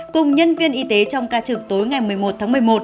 cùng nhân viên y tế trong ca trực tối ngày một mươi một tháng một mươi một